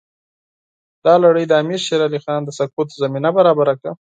دا لړۍ د امیر شېر علي خان د سقوط زمینه برابره کړه.